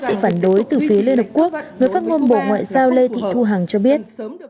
sự phản đối từ phía liên hợp quốc người phát ngôn bộ ngoại giao lê thị thu hằng cho biết